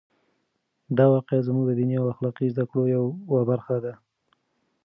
دا واقعه زموږ د دیني او اخلاقي زده کړو یوه برخه ده.